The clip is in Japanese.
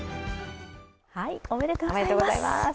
おめでとうございます！